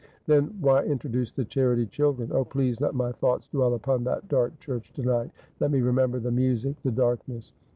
' Then why introduce the charity children ? Oh, please let my thoughts dwell upon that dark church to night ; let me remember the music, the darkness.'